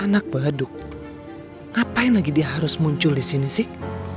anak baduk ngapain lagi dia harus muncul disini sih